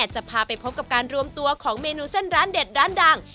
จะพาไปพบกับการรวมตัวของเมนูเส้นร้านเด็ดร้านดัง